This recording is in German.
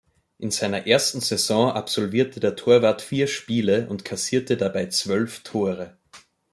In seiner ersten Saison absolvierte der Torwart vier Spiele und kassierte dabei zwölf Tore.